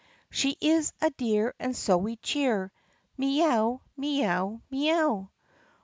She is a dear and so we cheer Mee ow! Mee ow! Mee ow!